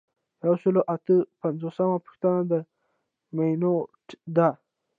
یو سل او اته پنځوسمه پوښتنه د مینوټ ده.